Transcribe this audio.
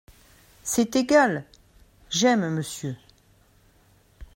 C’est égal ; j’aime Monsieur…